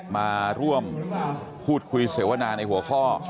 มาร่วมพูดคุยเสวนาในหัวข้อ